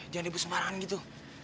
jangan dibus semparan gitu